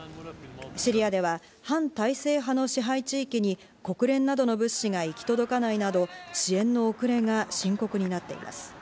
シリアでは反体制派の支配地域に国連などの物資が行き届かないなど、支援の遅れが深刻になっています。